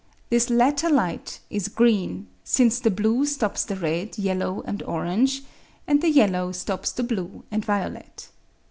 This latter light is green, since the blue stops the red, yellow, and orange, and the yellow stops the blue and violet.